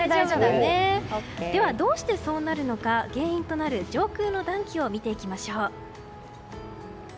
ではどうしてそうなるのか上空の暖気を見ていきましょう。